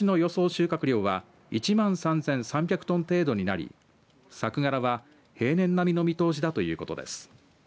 収穫量は１万３３００トン程度になり作柄は平年並みの見通しだということです。